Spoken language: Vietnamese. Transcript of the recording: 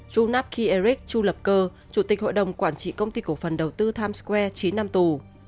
chu nap khi eric chu lập cơ chủ tịch hội đồng quản trị công ty cổ phần đầu tư times square chín năm tù